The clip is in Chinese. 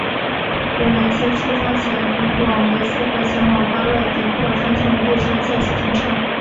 由南锡出发前往梅斯和前往巴勒迪克方向的列车在此分岔。